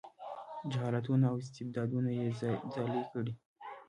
جهالتونو او استبدادونو یې ځالې کړي.